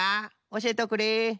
おしえておくれ。